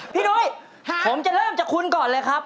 นุ้ยผมจะเริ่มจากคุณก่อนเลยครับ